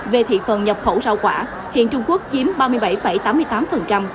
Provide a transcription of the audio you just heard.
về thị phần nhập khẩu rau quả